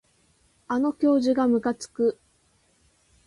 あの教授がむかつく